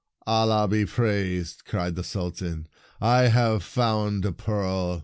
"Allah be praised!" cried the Sultan, " I have found a pearl !